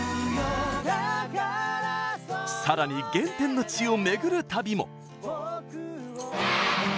さらに原点の地をめぐる旅も。